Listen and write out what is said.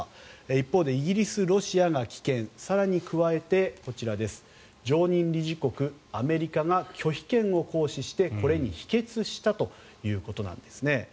一方でイギリス、ロシアが棄権更に加えてこちら常任理事国のアメリカが拒否権を行使してこれに否決したということなんですね。